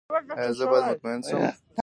ایا زه باید مطمئن شم؟